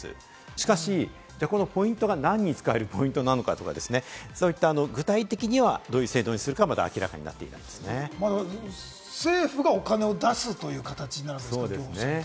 しかし、このポイントが何に使えるポイントなのかとかそういった具体的にはどういう制度にするかはまだ明らかになっていないんで政府がお金を出すという形になるんですね。